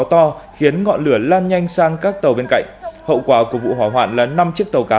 to khiến ngọn lửa lan nhanh sang các tàu bên cạnh hậu quả của vụ hỏa hoạn là năm chiếc tàu cá